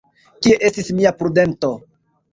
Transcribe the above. Kie estis mia prudento?